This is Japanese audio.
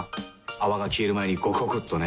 泡が消える前にゴクゴクっとね。